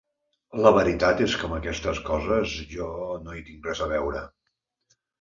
La veritat és que amb aquestes coses jo no hi tinc res a veure.